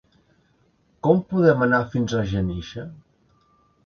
Com podem anar fins a Senija?